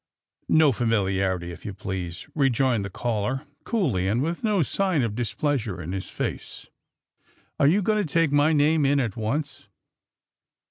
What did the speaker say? *^No familiarity, if you please, '^ rejoined the caller, coolly, and with no sign of displeasure in his face. *^Are you going to take my name in at once?